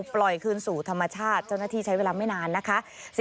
ปล่อยคืนสู่ธรรมชาติเจ้าหน้าที่ใช้เวลาไม่นานนะคะ